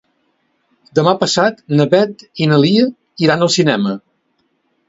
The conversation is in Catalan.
Demà passat na Beth i na Lia iran al cinema.